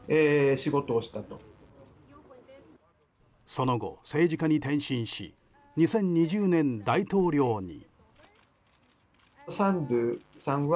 その後、政治家に転身し２０２０年、大統領に。